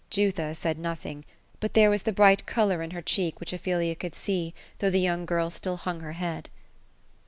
Jutha said nothing; but there was the bright color in her cheek, which Ophelia could sec, though the young girl still hung her head.